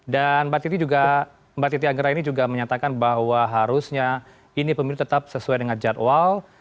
dan mbak titi anggera ini juga menyatakan bahwa harusnya ini pemilu tetap sesuai dengan jadwal